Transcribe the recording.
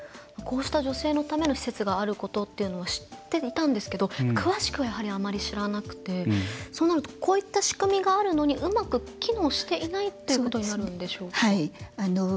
こうした女性のための施設があることって知っていたんですけど詳しくはあまり知らなくてそうなると、こういう仕組みがあるのにうまく機能していないということになるんでしょうか？